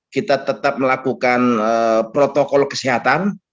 kita tetap melakukan protokol kesehatan